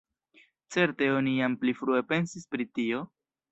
Certe oni jam pli frue pensis pri tio?